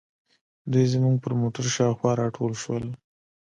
دوی زموږ پر موټرو شاوخوا راټول شول.